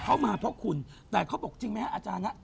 มาเพราะคุณแต่เขาบอกจริงไหมฮะอาจารย์นะ